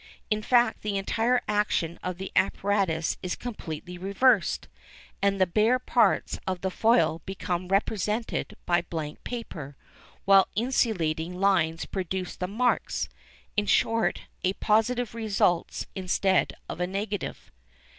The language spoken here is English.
In fact, the entire action of the apparatus is completely reversed, and the bare parts of the foil become represented by blank paper, while the insulating lines produce the marks. In short, a positive results instead of a negative.